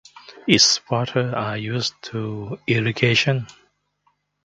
Its waters are used to irrigation.